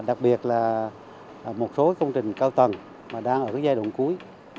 đặc biệt là một số công trình cao tầng mà đang ở giai đoạn cuối